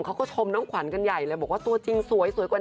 เขาก็ชมน้องขวัญกันใหญ่เลยบอกว่า